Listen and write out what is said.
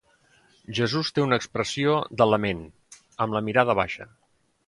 Jesús té una expressió de lament, amb la mirada baixa.